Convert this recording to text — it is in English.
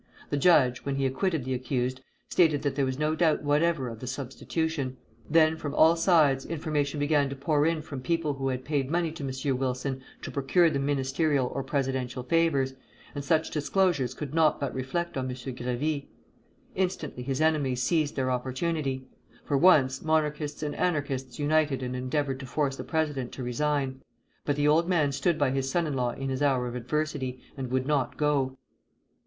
The judge, when he acquitted the accused, stated that there was no doubt whatever of the substitution. Then from all sides information began to pour in from people who had paid money to M. Wilson to procure them ministerial or presidential favors, and such disclosures could not but reflect on M. Grévy. Instantly his enemies seized their opportunity. For once, Monarchists and Anarchists united and endeavored to force the president to resign; but the old man stood by his son in law in his hour of adversity, and would not go.